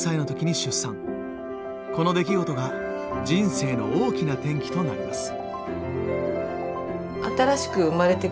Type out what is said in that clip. この出来事が人生の大きな転機となります。